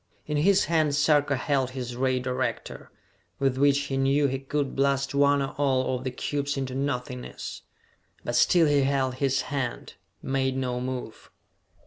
In his hand Sarka held his ray director, with which he knew he could blast one or all of the cubes into nothingness. But still he held his hand, made no move.